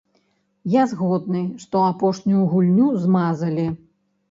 Я згодны, што апошнюю гульню змазалі.